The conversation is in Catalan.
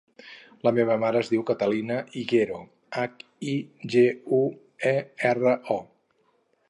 La meva mare es diu Catalina Higuero: hac, i, ge, u, e, erra, o.